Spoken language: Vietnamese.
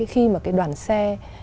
khi mà cái đoàn xe